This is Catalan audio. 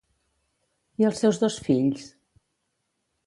I els seus dos fills?